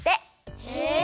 へえ！